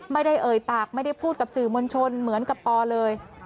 ไม่ได้เอ่ยปากไม่ได้พูดกับสื่อมวลชนเหมือนกับปอเลย